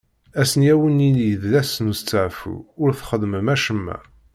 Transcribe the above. Ass-nni ad wen-yili d ass n usteɛfu, ur txeddmem acemma.